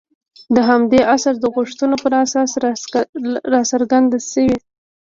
د همدې عصر د غوښتنو پر اساس راڅرګند شوي.